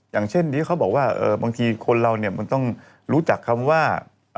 อย่างเช่นที่เขาบอกว่าบางทีคนเราเนี่ยมันต้องรู้จักคำว่า